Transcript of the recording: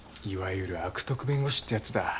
いわゆる悪徳弁護士ってやつだ。